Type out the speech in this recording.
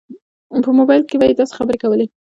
په موبایل کې به یې داسې خبرې کولې.